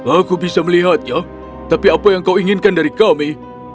aku bisa melihatnya tapi apa yang kau inginkan dari kami